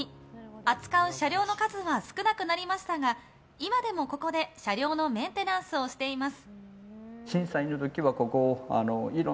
扱う車両の数は少なくなりましたが今でもここで車両のメンテナンスをしています。